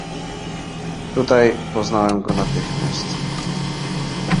"Tutaj poznałem go natychmiast."